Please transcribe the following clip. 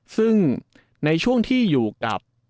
ซึ่งในช่วงที่อยู่กับ